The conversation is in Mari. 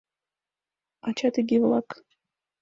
Ачат иге-влак!